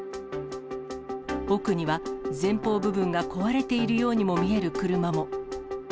奥には前方部分が壊れているようにも見える車も。